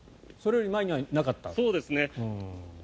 それより前にはなかった？